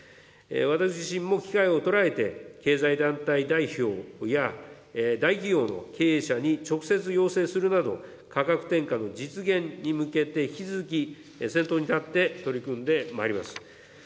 私自身も機会を捉えて、経済団体代表や、大企業の経営者に直接要請するなど、価格転嫁の実現に向けて引き続き先頭に立って取り組んでまいります。